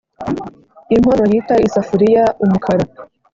inkono yita isafuriya umukara